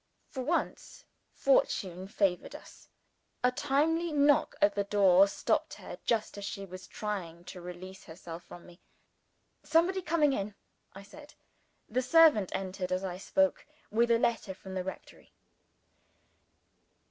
For once Fortune favored us. A timely knock at the door stopped her just as she was trying to release herself from me. "Somebody coming in," I said. The servant entered, as I spoke, with a letter from the rectory.